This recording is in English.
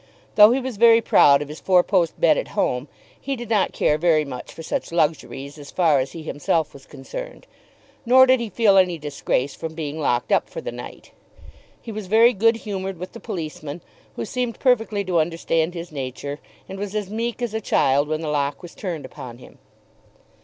Though he was very proud of his four post bed at home, he did not care very much for such luxuries as far as he himself was concerned. Nor did he feel any disgrace from being locked up for the night. He was very good humoured with the policeman, who seemed perfectly to understand his nature, and was as meek as a child when the lock was turned upon him.